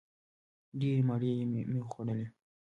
ډېرې مڼې مې وخوړلې!